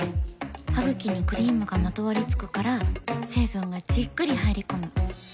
ハグキにクリームがまとわりつくから成分がじっくり入り込む。